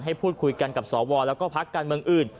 ให้พูดคุยกันกับสวแล้วก็พักการเมืองอื่น